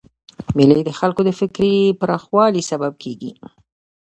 مېلې د خلکو د فکري پراخوالي سبب کېږي.